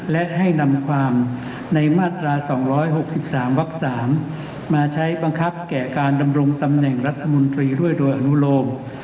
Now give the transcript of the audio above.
และให้นำความในมาตรา๒๖๓วัก๓มาใช้บังคับแก่การดำรงตำแหน่งรัฐมนตรีด้วยโดยอนุโลม